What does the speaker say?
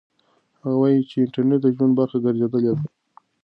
هغه وایي چې انټرنيټ د ژوند برخه ګرځېدلې ده.